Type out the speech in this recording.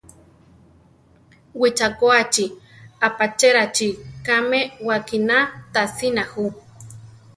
Wichakoáchi, apachérachi kame wakiná tasina ju.